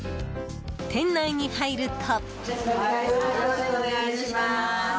店内に入ると。